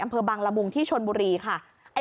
อำเภอบังละมุงที่ชนบุรีค่ะ